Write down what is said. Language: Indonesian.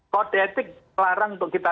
kode etik larang untuk kita